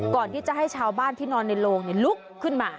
ก่อนที่จะให้ชาวบ้านที่นอนในโลงลุกขึ้นมา